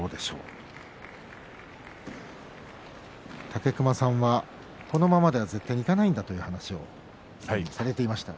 武隈さんが、このままでは絶対いかないんだという話をされていました。